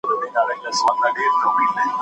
ورو ورو ورزش زیاتول سپارښتنه کېږي.